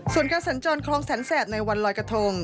ส่วนการสัญจรคลองแสนแสบในวันลอยกระทง